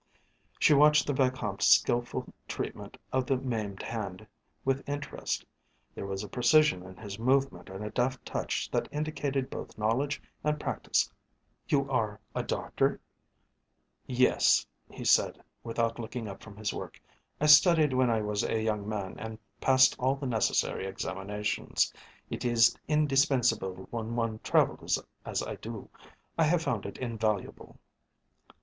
She watched the Vicomte's skilful treatment of the maimed hand with interest. There was a precision in his movement and a deft touch that indicated both knowledge and practise. "You are a doctor?" "Yes," he said, without looking up from his work, "I studied when I was a young man and passed all the necessary examinations. It is indispensable when one travels as I do. I have found it invaluable."